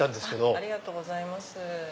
ありがとうございます。